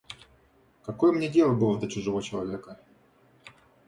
Какое мне дело было до чужого человека?